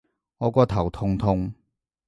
我個頭痛痛